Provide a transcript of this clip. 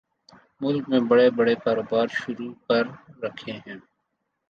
ملک میں بڑے بڑے کاروبار شروع کر رکھے ہیں